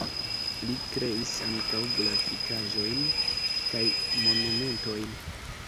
Li kreis ankaŭ grafikaĵojn kaj monumentojn.